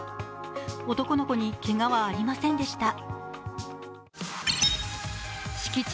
男の子にけがはありませんでした。